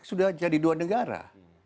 sudah jadi dua negara